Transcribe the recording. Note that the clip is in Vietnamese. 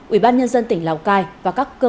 ubnd tỉnh lào cai và các cơ quan